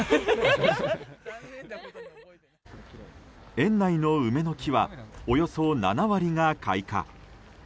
園内の梅の木はおよそ７割が開花。